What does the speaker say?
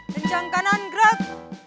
tencang kanan gerak